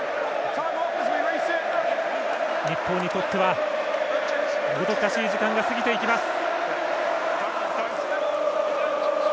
日本にとってはもどかしい時間が過ぎていきます。